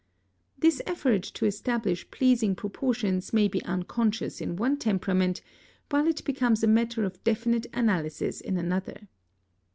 This effort to establish pleasing proportions may be unconscious in one temperament, while it becomes a matter of definite analysis in another.